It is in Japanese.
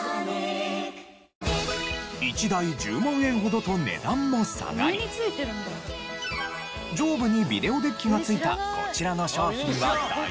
１台１０万円ほどと値段も下がり上部にビデオデッキがついたこちらの商品は大ヒット。